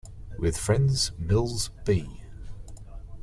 With friends Mills B.